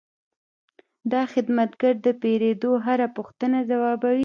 دا خدمتګر د پیرود هره پوښتنه ځوابوي.